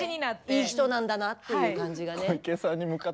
いい人なんだなっていう感じがね。